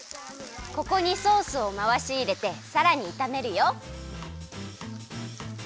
ここにソースをまわしいれてさらにいためるよ。